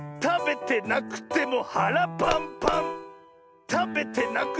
たべてなくてもはらパンパン！